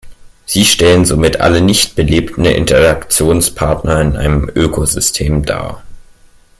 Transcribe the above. Sie stellen somit alle nicht-belebten Interaktionspartner in einem Ökosystem dar.